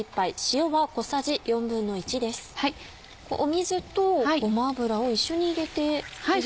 水とごま油を一緒に入れている。